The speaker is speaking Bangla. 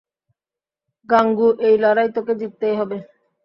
গাঙু, এই লড়াই তোকে জিততেই হবে!